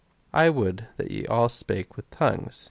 5. I would that ye all spake with tongues.